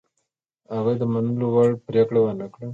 هغوی د منلو وړ پرېکړه ونه کړه.